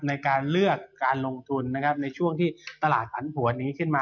ในการเลือกการลงทุนนะครับในช่วงที่ตลาดผันผวนนี้ขึ้นมา